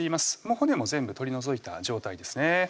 骨も全部取り除いた状態ですね